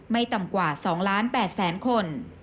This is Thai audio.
ไม่ต่ำกว่า๒ล้าน๘แสนคน